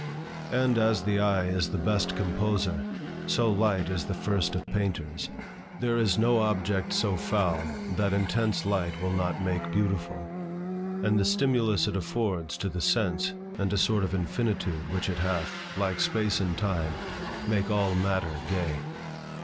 And as the eye is the best composer, so light is the first of painters. There is no object so foul that intense light will not make beautiful. And the stimulus it affords to the sense, and a sort of infinitude which it hath, like space and time, make all matter gay.